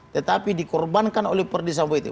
tetapi dikorbankan oleh perdisambo itu